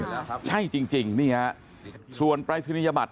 ส่วนปราศนียบัตรที่พี่ชัยยงส่งมานะครับส่งมาทั้งหมด๑๐๐๐ชบ